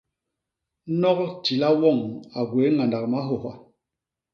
Nok tila woñ a gwéé ñgandak mahôha.